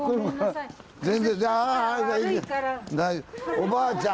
おばあちゃん